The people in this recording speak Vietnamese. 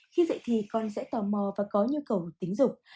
khi dạy thì con sẽ tò mò và có nhu cầu tính dục